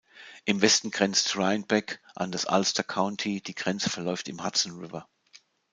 Im Westen grenzt Rhinebeck an das Ulster County; die Grenze verläuft im Hudson River.